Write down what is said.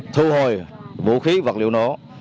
thu hồi vũ khí vật liệu nổ